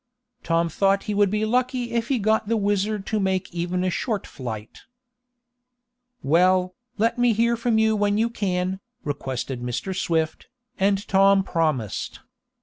Tom thought he would be lucky if he got the WHIZZER to make even a short flight. "Well, let me hear from you when you can," requested Mr. Swift, and Tom promised.